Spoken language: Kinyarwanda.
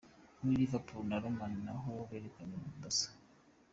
Muri Liverpool na Roma na ho yerekanye ubudasa.